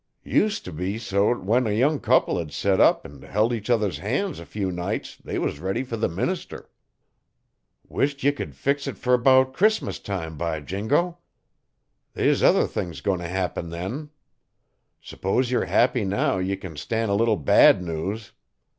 'Used to be so t'when a young couple hed set up 'n held each other's han's a few nights they was ready fer the minister. Wish't ye could fix it fer 'bout Crissmus time, by jingo! They's other things goin' to happen then. S'pose yer s'happy now ye can stan' a little bad news.